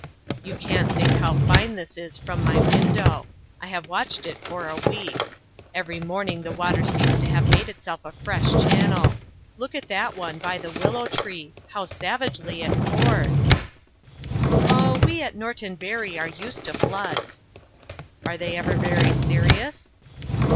"You can't think how fine this is from my window; I have watched it for a week. Every morning the water seems to have made itself a fresh channel. Look at that one, by the willow tree how savagely it pours!" "Oh, we at Norton Bury are used to floods." "Are they ever very serious?"